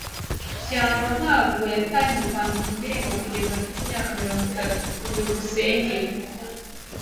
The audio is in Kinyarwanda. byambo ntabwo yatangiye kwandika indirimbo kugeza afite imyaka mirongo itatu. byukusenge